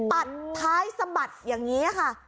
ตัดท้ายสะบัดอย่างนี้ค่ะ